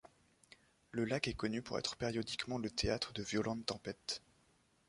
Le lac est connu pour être périodiquement le théâtre de violentes tempêtes.